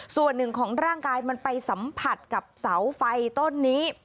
ส่วนหนึ่งของร่างกายมันไปสัมผัสกับเสาไฟต้นนี้